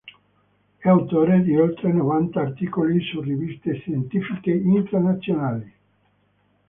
È autore di oltre novanta articoli su riviste scientifiche internazionali.